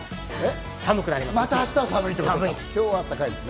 明日は寒いです。